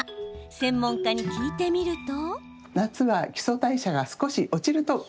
専門家に聞いてみると。